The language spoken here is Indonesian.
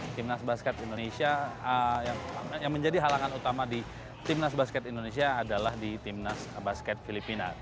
timnas basket indonesia yang menjadi halangan utama di timnas basket indonesia adalah di timnas basket filipina